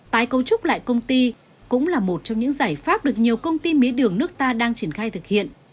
tái cấu trúc lại công ty cũng là một trong những giải pháp được nhiều công ty mía đường nước ta đang triển khai thực hiện